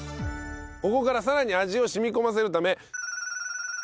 ここからさらに味を染み込ませるため。